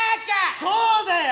そうだよ